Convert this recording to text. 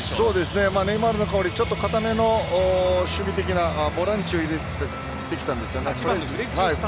ネイマールの代わりにちょっと固めの守備的なボランチを入れてきたんですよね。